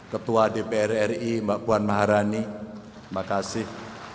ketua dpr ri mbak puan maharani terima kasih